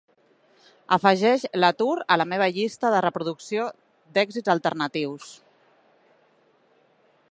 Afegeix LaTour a la meva llista de reproducció d'èxits alternatius.